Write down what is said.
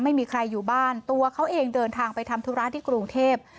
ไม่มีใครอยู่บ้านตัวเขาเองเดินทางไปทำธุระที่กรุงเทพ